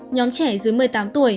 nhóm trẻ dưới một mươi tám tuổi